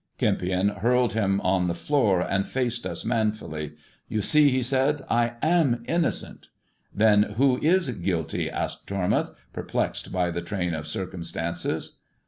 E.empion hurled him on the floor, and faced us manfully, "You aee," he said, " I am innocent." "Then who is guilty 1" asked Tormoutb, perplexed by ble train of circumstances.